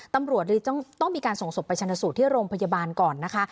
ตำรวจเลยต้องมีการส่งศพไปชนะสูตรที่โรงพยาบาลก่อนนะคะ